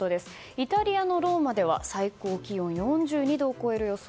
イタリアのローマでは最高気温４２度を超える予想。